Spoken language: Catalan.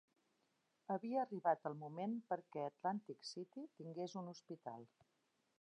Havia arribat el moment perquè Atlantic City tingués un hospital.